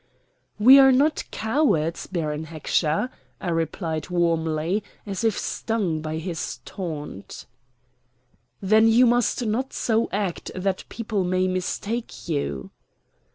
"We are no cowards, Baron Heckscher," I replied warmly, as if stung by his taunt. "Then you must not so act that people may mistake you."